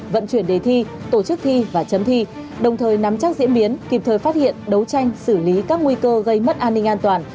vận chuyển đề thi tổ chức thi và chấm thi đồng thời nắm chắc diễn biến kịp thời phát hiện đấu tranh xử lý các nguy cơ gây mất an ninh an toàn